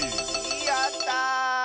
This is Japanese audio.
やった！